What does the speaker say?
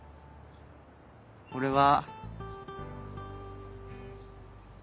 俺は。